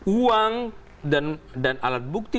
uang dan alat bukti